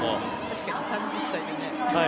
しかも、３０歳でね。